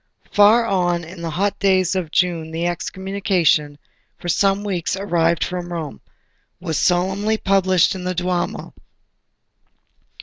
Far on in the hot days of June the Excommunication, for some weeks arrived from Rome, was solemnly published in the Duomo.